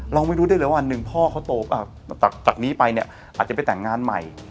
เราไม่รู้ได้เลยว่าหนึ่งพ่อเขาโตจากนี้ไปเนี่ยอาจจะไปแต่งงานใหม่